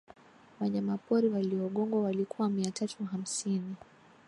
wanyamapori waliogongwa walikuwa mia tatu hamsini